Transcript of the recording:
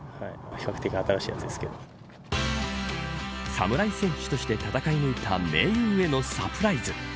侍選手として戦い抜いた盟友へのサプライズ。